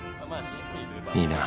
いいな。